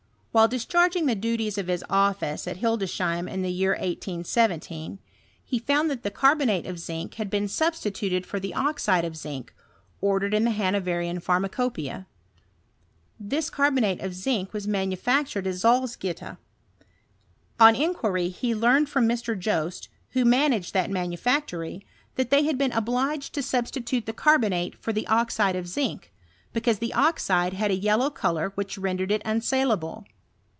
While discharging the duties ai his office at Hildesheim, in the year 1817, he found that the carbonate of mac had been substituted for the oxide of zinc, or dered in the Hanoverian Phaimacopceia. This cap IxMiate of zinc was manufactured at Salzgitter. On inquiry he learned from Mr. Jest, who manaiged that iBanufactory, that they had been obliged to substi tnte the carbonate for the oxide of zinc, because the <nide had a yellow colour which rendered it unsale afaie.